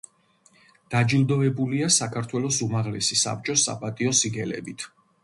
დაჯილდოებულია საქართველოს უმაღლესი საბჭოს საპატიო სიგელებით.